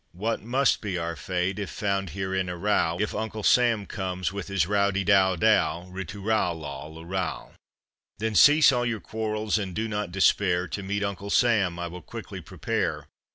What must be our fate if found here in a row, If Uncle Sam comes with his row de dow dow. Ri tu ral, lol, lu ral. Then cease all your quarrels and do not despair, To meet Uncle Sam I will quickly prepare.